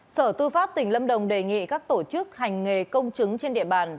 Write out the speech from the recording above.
sở tư pháp tỉnh lâm đồng đề nghị các tổ chức hành nghề công chứng trên địa bàn